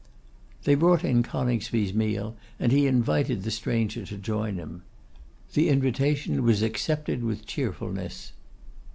They brought in Coningsby's meal, and he invited the stranger to join him. The invitation was accepted with cheerfulness.